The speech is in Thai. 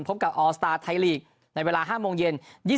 พบกับออสตาร์ไทยลีกในเวลา๕โมงเย็น